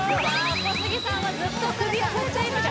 小杉さんはずっと首を振ってます